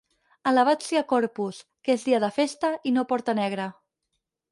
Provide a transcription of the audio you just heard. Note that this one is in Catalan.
Alabat sia Corpus, que és dia de festa i no porta negra.